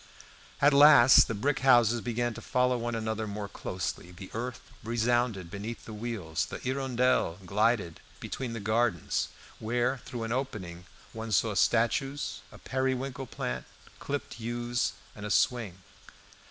At last the brick houses began to follow one another more closely, the earth resounded beneath the wheels, the "Hirondelle" glided between the gardens, where through an opening one saw statues, a periwinkle plant, clipped yews, and a swing.